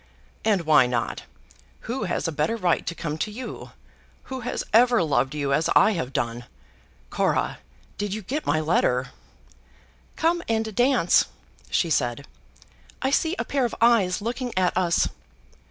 "And why not? Who has a better right to come to you? Who has ever loved you as I have done? Cora, did you get my letter?" "Come and dance," she said; "I see a pair of eyes looking at us."